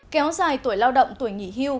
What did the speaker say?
kéo dài tuổi lao động tuổi nghỉ hưu